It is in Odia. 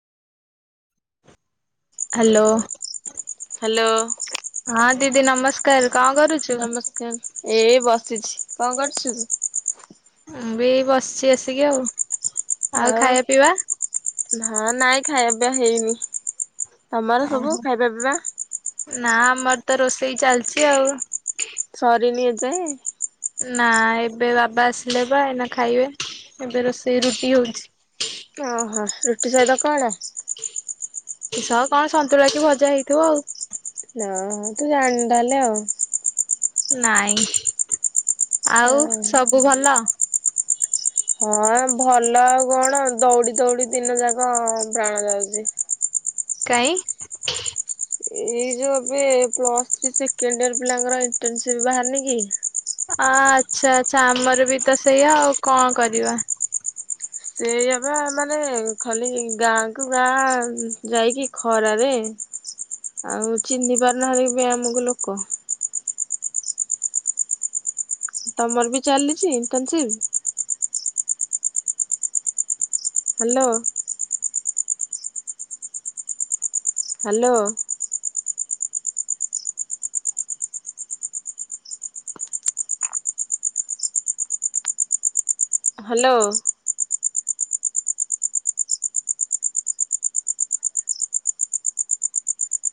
ହାଲୋ। ହାଲୋ। ହଁ ଦିଦି ନମସ୍କାର। କଣ କରୁଛୁ? ନମସ୍କାର ଏଇ ବସିଛି କଣ କରୁଛୁ ତୁ? ମୁଁ ବି ବସିଛି ଆସିକି ଆଉ ଆଉ ଖାଇବା ପିଇବା ନାଁ ନାଇଁ ଖାଇବା ପିଇବା ହେଇନି। ତମର ସବୁ ଖାଇବା ପିଇବା। ନା ଆମର ତ ରୋଷେଇ ଚାଲିଚି ଆଉ [unintelligible] ନା ଏବେ ବାବା ଆସିଲେ ବା ଏଇନା ଖାଇବେ ଏବେ ରୋଷେଇ ରୁଟି ହୋଉଛି। ଅହଁ ରୁଟି ସହିତ କଣ। ସ କଣ ସନ୍ତୁଳା କି ଭଜା ହେଇଥିବ ଆଉ। ନା ହଁ ତୁ ଜାଣିନୁ ତାହାଲେ ଆଉ। ନାଇଁ। ଆଉ ସବୁ ଭଲ ହଁ ଭଲ ଆଉ କଣ ଦୌଡି ଦୌଡି ଦିନ ଯାକ ପ୍ରାଣ ଯାଉଚି। କାଇଁ। ଏଇ ଯୋଉ ଏବେ ପ୍ଲସଥି୍ ସେକେଣ୍ଡ ଇଅର ପିଲାଙ୍କର ଇଣ୍ଟନସିପ ବାହାରନି କି? ଆଚ୍ଛା ଆଚ୍ଛା ଆମର ବି ତ ସେଇଆ ଆଉ କଣ କରିବା। ସେୟା ବା ମାନେ ଖାଲି ଗାଁକୁ ଗାଁ ଯାଇକି ଖରାରେ ଆଉ ଚିହ୍ନି ପାରୁନାହାନ୍ତି ବି ଆମକୁ ଲୋକ। ତମର ବି ଚାଲିଛି ଇଣ୍ଟର୍ନସିପ। ହ୍ୟାଲୋ। ହ୍ୟାଲୋ। ହ୍ୟାଲୋ।